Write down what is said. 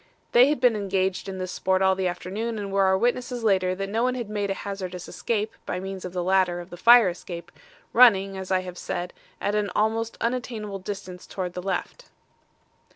They had been engaged in this sport all the afternoon and were our witnesses later that no one had made a hazardous escape by means of the ladder of the fire escape, running, as I have said, at an almost unattainable distance towards the left.